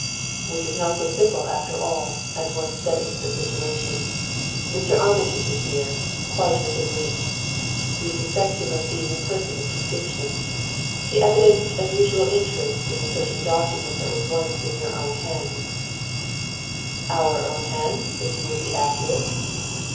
"Which is not so simple after all, as one studies the situation. Mr. Armitage is here, quite within reach. We suspect him of being a person of distinction. He evinced unusual interest in a certain document that was once in your own hands " "Our own hands, if you would be accurate!"